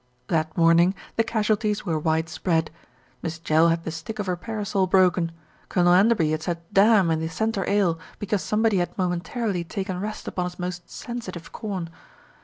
That morning the casualties were widespread. Miss Jell had the stick of her parasol broken, Colonel Enderby had said "Damn!" in the centre aisle, be cause somebody had momentarily taken rest upon his most sensitive corn.